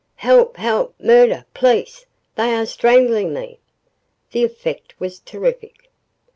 "Help! Help! Murder! Police! They are strangling me!" The effect was terrific.